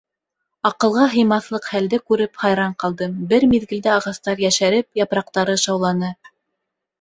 Аҡылға һыймаҫлыҡ хәлде күреп хайран ҡалдым: бер миҙгелдә ағастар йәшәреп япраҡтары шауланы.